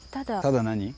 ただ何？